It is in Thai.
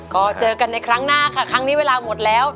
ก็เจอกันในครั้งหน้าค่ะครั้งนี้เวลาหมดแล้ว